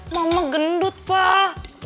mama gendut pak